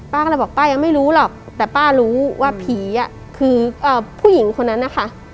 ป้าก็เลยบอกป้ายังไม่รู้หรอกแต่ป้ารู้ว่าผีคือผู้หญิงคนนั้นนะคะ